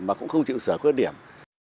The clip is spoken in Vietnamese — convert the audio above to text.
mà cũng không chịu sửa khuyết điểm